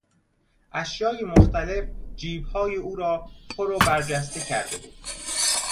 اشیای مختلف جیبهای او را پر و برجسته کرده بود.